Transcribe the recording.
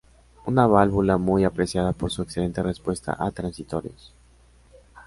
Una válvula muy apreciada por su excelente respuesta a transitorios.